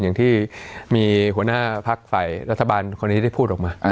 อย่างที่มีหัวหน้าพักฝ่ายรัฐบาลคนนี้ได้พูดออกมา